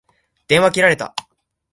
電話が切れた。